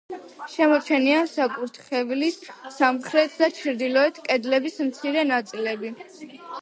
შემორჩენილია საკურთხევლის, სამხრეთ და ჩრდილოეთ კედლების მცირე ნაწილები.